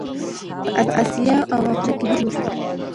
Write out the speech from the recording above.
په اسیا او افریقا کې هم مشهور شو.